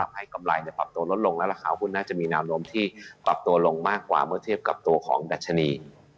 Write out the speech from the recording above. ให้กำไรปรับตัวลดลงและราคาหุ้นน่าจะมีแนวโน้มที่ปรับตัวลงมากกว่าเมื่อเทียบกับตัวของดัชนี